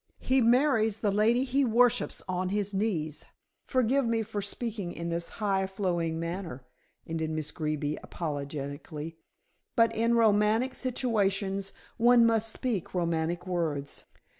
He marries the lady he worships on his knees. Forgive me for speaking in this high flowing manner," ended Miss Greeby apologetically, "but in romantic situations one must speak romantic words."